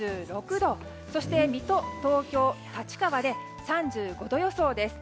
そして、水戸、東京、立川で３５度予想です。